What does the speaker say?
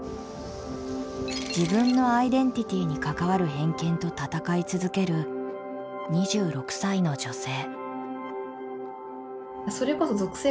自分のアイデンティティーに関わる偏見と闘い続ける２６歳の女性。